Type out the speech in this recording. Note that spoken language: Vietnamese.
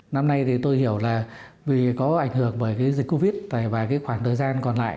năm nay thì tôi hiểu là vì có ảnh hưởng bởi cái dịch covid và cái khoảng thời gian còn lại